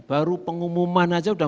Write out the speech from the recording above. baru pengumuman aja sudah